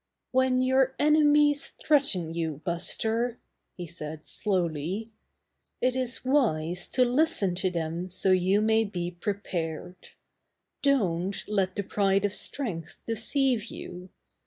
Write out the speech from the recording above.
"When your enemies threaten you, Buster," he said slowly, "it is wise to listen to them so you may be prepared. Don't let the pride of strength deceive you.